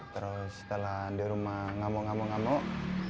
terus setelah di rumah ngamuk ngamuk ngamuk